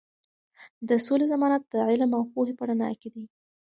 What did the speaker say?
د سولې ضمانت د علم او پوهې په رڼا کې دی.